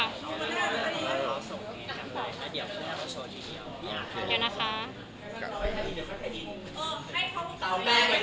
เดี๋ยวนะคะ